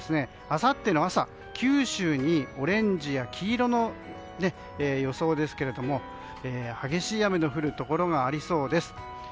あさっての朝、九州にオレンジや黄色の予想ですが激しい雨の降るところがありそうです。